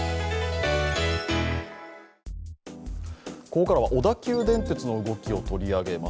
ここからは小田急電鉄の動きを取り上げます。